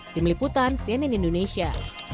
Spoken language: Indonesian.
di meliputan cnn indonesia